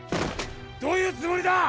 どういうつもりだ！